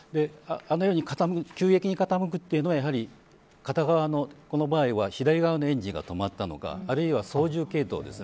あのように急激に傾くというのはやはり片側のこの場合は左側のエンジンが止まったとかあるいは、操縦系統ですね。